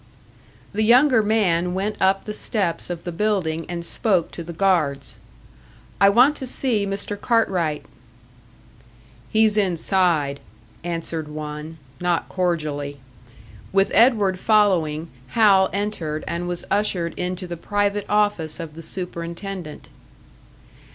The younger man went up the steps of the building and spoke to the guards. "I want to see Mr. Cartwright." "He's inside," answered one, not cordially. With Edward following, Hal entered, and was ushered into the private office of the superintendent.